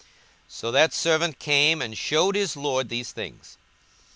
42:014:021 So that servant came, and shewed his lord these things.